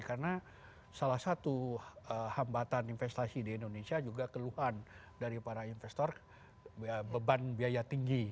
karena salah satu hambatan investasi di indonesia juga keluhan dari para investor beban biaya tinggi